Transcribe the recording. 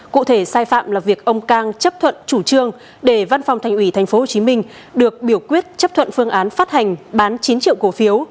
cụ thể sai phạm là việc ông cang chấp thuận chủ trương để văn phòng thành ủy tp hcm được biểu quyết chấp thuận phương án phát hành bán chín triệu cổ phiếu